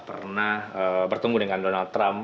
pernah bertemu dengan donald trump